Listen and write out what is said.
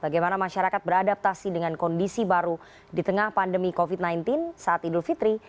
bagaimana masyarakat beradaptasi dengan kondisi baru di tengah pandemi covid sembilan belas saat idul fitri